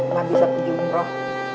mampus satu jumlah